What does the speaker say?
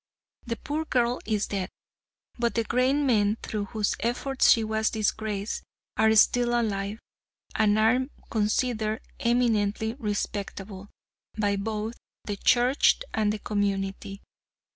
The poor girl is dead, but the great men, through whose efforts she was disgraced, are still alive, and are considered eminently respectable by both the Church and the community.